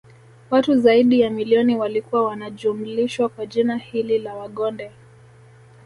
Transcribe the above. watu zaidi ya milioni walikuwa wanajumlishwa kwa jina hili la Wagonde